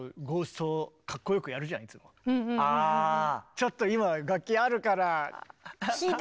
ちょっと今楽器あるから。